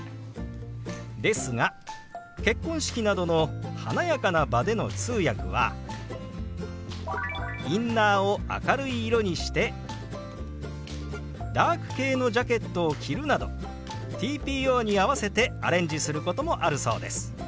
ですが結婚式などの華やかな場での通訳はインナーを明るい色にしてダーク系のジャケットを着るなどＴＰＯに合わせてアレンジすることもあるそうです。